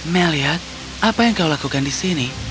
melia apa yang kau lakukan di sini